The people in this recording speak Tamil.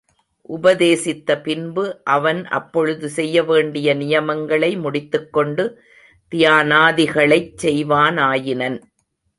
உபதேசித்த பின்பு அவன் அப்பொழுது செய்யவேண்டிய நியமங்களை முடித்துக்கொண்டு தியானாதிகளைச் செய்வானாயினன்.